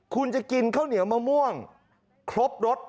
คุณจะกินข้าวเหนียวมะม่วงครบรส